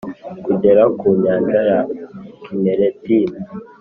kugera ku nyanja ya Kineretin